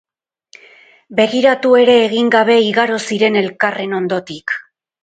Begiratu ere egin gabe igaro ziren elkarren ondotik.